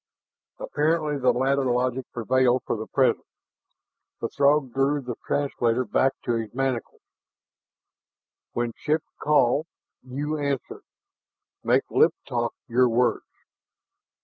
Apparently the latter logic prevailed for the present. The Throg drew the translator back to his mandibles. "When ship call you answer make lip talk your words!